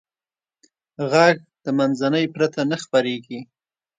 غږ د منځنۍ پرته نه خپرېږي.